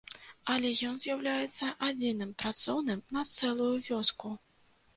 Але ён з'яўляецца адзіным працоўным на цэлую вёску.